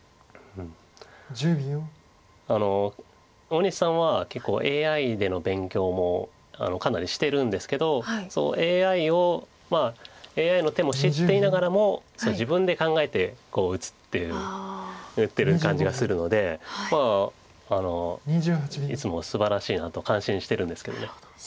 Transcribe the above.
大西さんは結構ＡＩでの勉強もかなりしてるんですけどＡＩの手も知っていながらも自分で考えて碁を打つっていう打ってる感じがするのでいつもすばらしいなと感心してるんですけど。